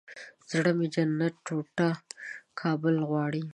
زړه مې جنت ټوټه کابل غواړي